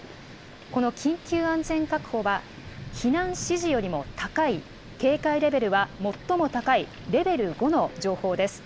この緊急安全確保は、避難指示よりも高い警戒レベルは最も高いレベル５の情報です。